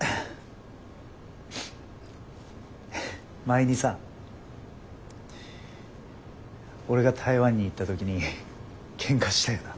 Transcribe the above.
前にさ俺が台湾に行った時にけんかしたよな。